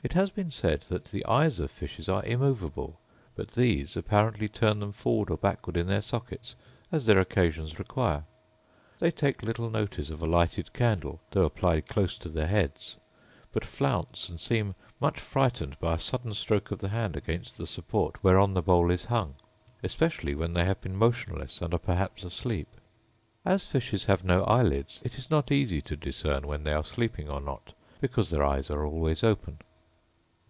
It has been said that the eyes of fishes are immoveable: but these apparently turn them forward or backward in their sockets as their occasions require. They take little notice of a lighted candle, though applied close to their heads, but flounce and seem much frightened by a sudden stroke of the hand against the support whereon the bowl is hung; especially when they have been motionless, and are perhaps asleep. As fishes have no eyelids, it is not easy to discern when they are sleeping or not, because their eyes are always open.